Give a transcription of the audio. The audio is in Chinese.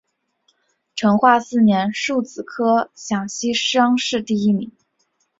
成化四年戊子科陕西乡试第一名。